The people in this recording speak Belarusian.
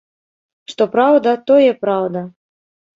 Што праўда, тое праўда.